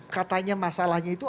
katanya masalahnya itu